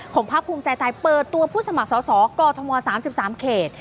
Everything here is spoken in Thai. ของพักภูมิใจไทยเปิดตัวผู้สมัครสอสอกธ๓๓เขต